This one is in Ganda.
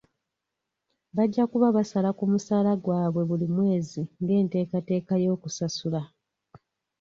Bajja kuba basala ku musaala gwabwe buli mwezi ng'enteekateeka y'okusasula.